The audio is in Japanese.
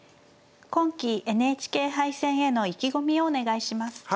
今期ＮＨＫ杯戦への意気込みをお願いします。